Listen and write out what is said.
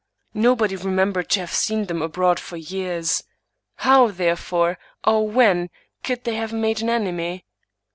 Nobody re membered to have seen them abroad for years. How, therefore, or when could they have made an enemy